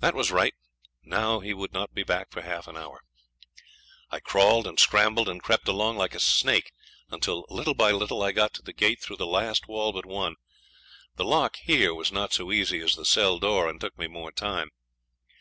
That was right; now he would not be back for half an hour. I crawled and scrambled, and crept along like a snake until little by little I got to the gate through the last wall but one. The lock here was not so easy as the cell door, and took me more time.